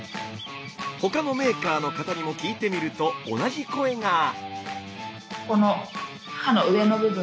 他のメーカーの方にも聞いてみると同じ声が。